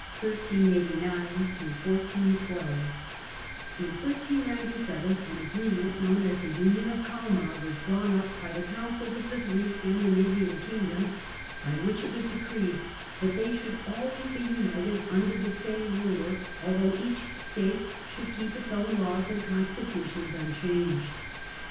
238 THE END OF THE MIDDLE AGE Union of In 1397 an agreement known as the Union of Kalmar 1397 ' was drawn up by the Councils of the three Scandinavian Kingdoms, by which it was decreed that they should always be united under the same ruler, although each State should keep its old laws and constitutions un changed.